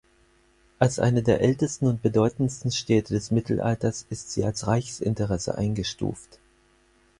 Als eine der ältesten und bedeutendsten Städte des Mittelalters ist sie als Reichsinteresse eingestuft.